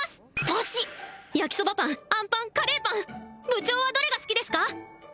パシ焼きそばパンあんパンカレーパン部長はどれが好きですか？